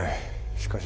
しかし。